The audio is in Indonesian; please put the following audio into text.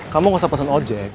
kamu nggak usah pesen ojek